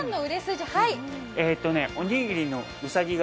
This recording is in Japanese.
おにぎりのうさぎが。